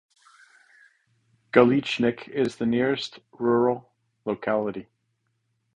Galechnik is the nearest rural locality.